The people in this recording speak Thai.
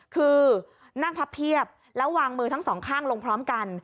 คือนั่งพับเพียบแล้ววางมือทั้งสองข้างลงพร้อมกัน